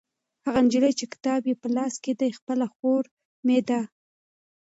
هغه نجلۍ چې کتاب یې په لاس کې دی خپله خور مې ده.